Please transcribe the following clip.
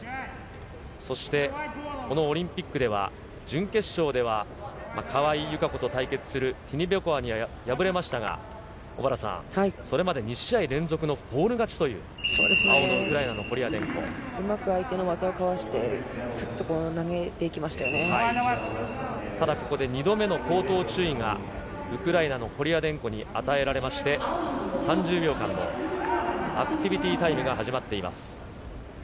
そしてこのオリンピックでは、準決勝では川井友香子と対決するティニベコワに敗れましたが、小原さん、それまで２試合連続のフォール勝ちという、青のウクラうまく相手の技をかわして、ただここで２度目の口頭注意が、ウクライナのコリアデンコに与えられまして、３０秒間のアクティビティータイムが始まっています。